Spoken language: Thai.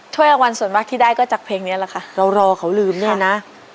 ถ้วยรางวัลส่วนมากที่ได้ก็จากเพลงนี้แหละค่ะเรารอเขาลืมเนี่ยนะ